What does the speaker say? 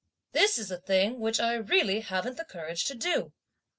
This is a thing which I really haven't the courage to do."